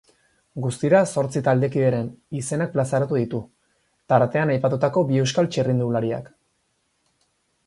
Guztira zortzi taldekideren izenak plazaratu ditu, tartean aipatutako bi euskal txirrindulariak.